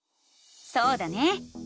そうだね！